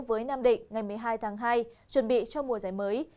với nam định ngày một mươi hai tháng hai chuẩn bị cho mùa giải mới